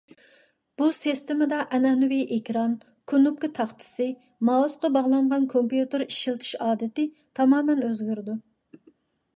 بۇ سىستېمىدا ئەنئەنىۋى ئېكران، كونۇپكا تاختىسى، مائۇسقا باغلانغان كومپيۇتېر ئىشلىتىش ئادىتى تامامەن ئۆزگىرىدۇ.